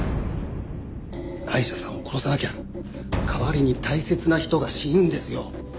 アイシャさんを殺さなきゃ代わりに大切な人が死ぬんですよ。